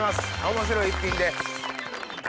面白い一品です。